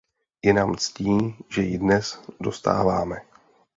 Je nám ctí, že ji dnes dostáváme.